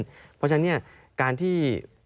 เพราะฉะนั้นเนี่ยการที่